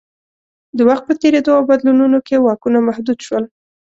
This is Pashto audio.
د وخت په تېرېدو او بدلونونو کې واکونه محدود شول